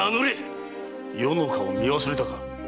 余の顔を見忘れたか？